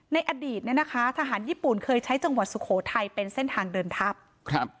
ในอดีตเนี่ยนะคะทหารญี่ปุ่นเคยใช้จังหวัดสุโขทัยเป็นเส้นทางเดินทัพครับ